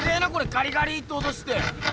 ガリガリって音して！